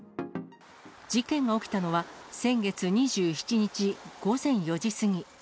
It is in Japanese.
事件が起きたのは先月２７日午前４時過ぎ。